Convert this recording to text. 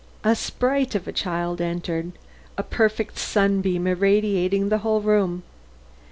A sprite of a child entered; a perfect sunbeam irradiating the whole room.